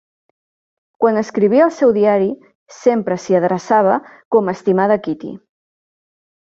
Quan escrivia al seu diari, sempre s'hi adreçava com a "Estimada Kitty".